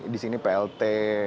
di sini plt